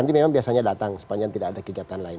nanti memang biasanya datang sepanjang tidak ada kegiatan lain